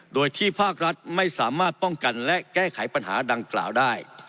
โดยที่ภาครัฐไม่สามารถป้องกันและแก้ไขปัญหาดังกล่าวได้